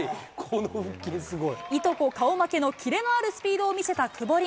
いとこ顔負けのキレのあるスピードを見せた久保凛。